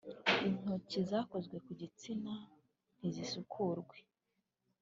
intokizakoze ku gitsina ntizisukurwe